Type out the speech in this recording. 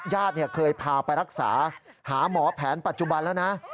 ญาติเคยพาไปรักษาหาหมอแผนปัจจุบันแล้วนะ